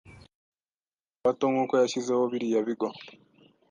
n’abana bato nkuko yashyizeho biriya bigo